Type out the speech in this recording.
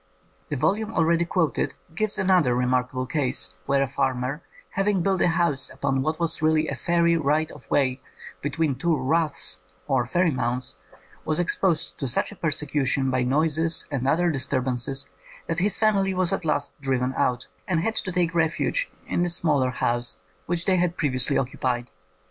The volume already quoted gives another re markable case, where a farmer, having built a house upon what was really a fairy right of way between two *'raths" or fairy mounds, was exposed to such persecution by noises and other disturbances that his family was at last driven out, and had to take ref uge in the smaller house which they had previously occupied.